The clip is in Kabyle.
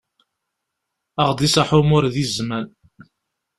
Ad ɣ-d-iṣaḥ umur di zzman.